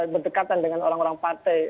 berdekatan dengan orang orang partai